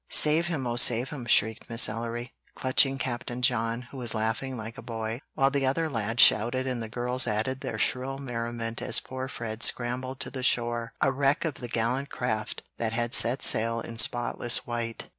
"Save him! oh, save him!" shrieked Miss Ellery, clutching Captain John, who was laughing like a boy, while the other lads shouted and the girls added their shrill merriment as poor Fred scrambled to the shore a wreck of the gallant craft that had set sail in spotless white.